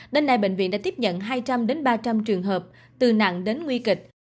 đến nay bệnh viện đã tiếp nhận hai trăm linh ba trăm linh trường hợp từ nặng đến nguy kịch